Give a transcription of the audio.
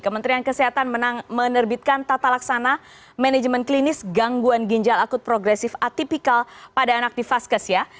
kementerian kesehatan menerbitkan tata laksana manajemen klinis gangguan ginjal akut progresif atipikal pada anak di faskes ya